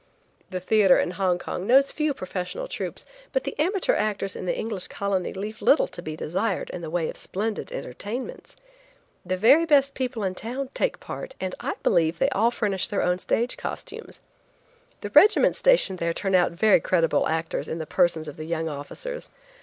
The theatre in Hong Kong knows few professional troupes, but the amateur actors in the English colony leave little to be desired in the way of splendid entertainments. The very best people in the town take part, and I believe they all furnish their own stage costumes. The regiments stationed there turn out very creditable actors in the persons of the young officers.